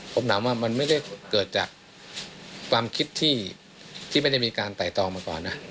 ผมถามว่ามันไม่ได้เกิดจากความคิดที่ไม่ได้มีการไต่ตองมาก่อนนะ